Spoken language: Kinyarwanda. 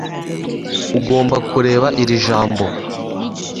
Ugomba kureba iri jambo